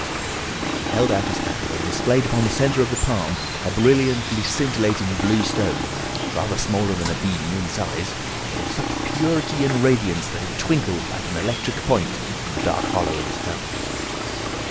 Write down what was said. He held out his hand and displayed upon the centre of the palm a brilliantly scintillating blue stone, rather smaller than a bean in size, but of such purity and radiance that it twinkled like an electric point in the dark hollow of his hand.